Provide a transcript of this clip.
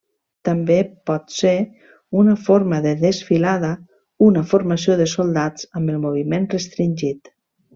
També pot ser una forma de desfilada, una formació de soldats amb el moviment restringit.